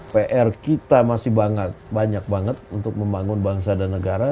pr kita masih banyak banget untuk membangun bangsa dan negara